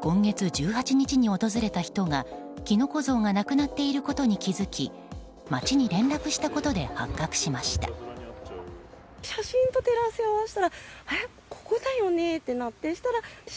今月１８日に訪れた人がキノコ像がなくなっていることに気づき町に連絡したことで発覚しました。